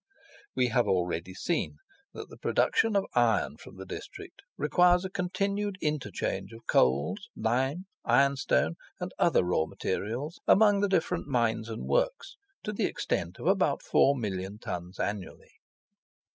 We have already seen that the production of iron of the district requires a continued interchange of coals, lime, ironstone, and other raw materials among the different mines and works, to the extent of about 4,000,000 tons annually.